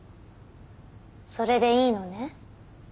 それでいいのね？